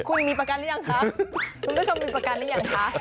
คุณมีประกันหรือยังคะคุณผู้ชมมีประกันหรือยังคะ